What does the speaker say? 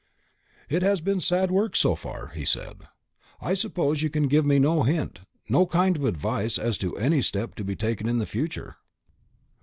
"It has been sad work, so far," he said. "I suppose you can give me no hint, no kind of advice as to any step to be taken in the future."